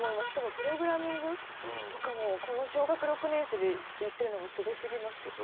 しかもプログラミングとかもこの小学６年生でやってるのがすごすぎます。